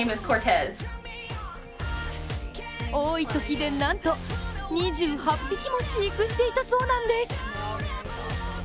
多いときはなんと２８匹も飼育していたそうなんです。